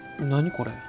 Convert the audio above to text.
これ。